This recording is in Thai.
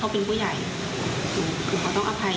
พี่เขายอมขอโทษพี่เขาเป็นผู้ใหญ่